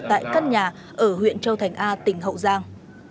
tại căn nhà ở huyện châu thành a tỉnh hậu giang